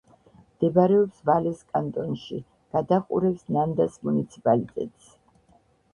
მდებარეობს ვალეს კანტონში; გადაჰყურებს ნანდას მუნიციპალიტეტს.